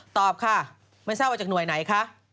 ตอบค่ะไม่ทราบว่าจากหน่วยไหนคะ